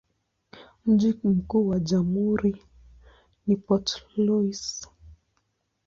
Mji mkuu wa jamhuri ni Port Louis.